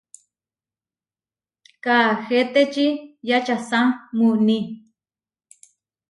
Kaahetečí yačasá muuní.